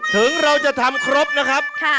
ถึงเราจะทำครบนะครับ